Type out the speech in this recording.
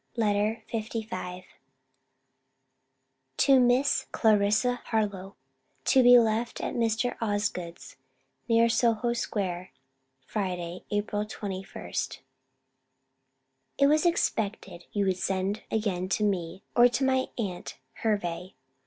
LETTER LV TO MISS CLARISSA HARLOWE TO BE LEFT AT MR. OSGOOD'S, NEAR SOHO SQUARE FRIDAY, APRIL 21. It was expected you would send again to me, or to my aunt Hervey.